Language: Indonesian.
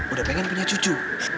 udah pengen punya cucu